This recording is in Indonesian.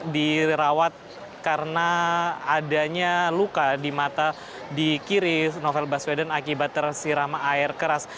dirawat karena adanya luka di mata di kiri novel baswedan akibat tersirama air keras